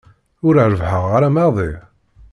Ur rebbḥeɣ ara maḍi.